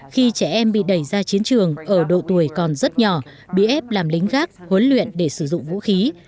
khi trẻ em bị đẩy ra chiến trường ở độ tuổi còn rất nhỏ bị ép làm lính gác huấn luyện để sử dụng vũ khí